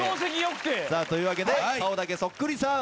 さあというわけで顔だけそっくりさん。